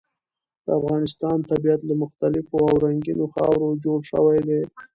د افغانستان طبیعت له مختلفو او رنګینو خاورو جوړ شوی دی.